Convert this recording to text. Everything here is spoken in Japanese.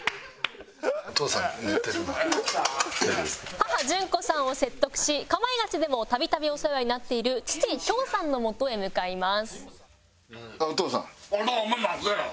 「母ジュンコさんを説得し『かまいガチ』でも度々お世話になっている父恭さんのもとへ向かいます」